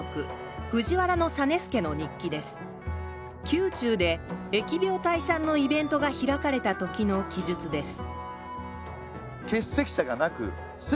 宮中で疫病退散のイベントが開かれたときの記述です